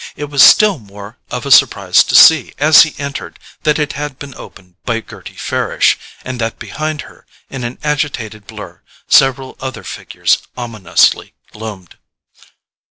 It was still more of a surprise to see, as he entered, that it had been opened by Gerty Farish—and that behind her, in an agitated blur, several other figures ominously loomed.